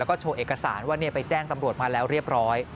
แล้วก็โชว์เอกสารว่าไปแจ้งตำรวจมาแล้วเรียบร้อย